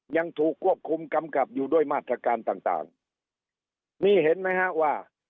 ยังถูกควบคุมกำกับอยู่ด้วยมาตรการต่างต่างนี่เห็นไหมฮะว่า